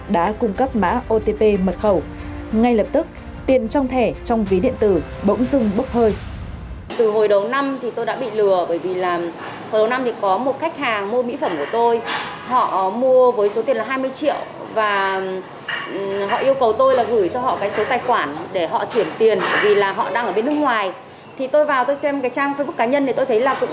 đã cung cấp mã otp mật khẩu ngay lập tức tiền trong thẻ trong ví điện tử bỗng dưng bốc hơi